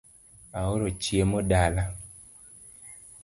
Aoro chiemo dala